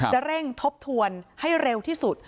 จะเร่งทบทวนให้เร็วที่สุด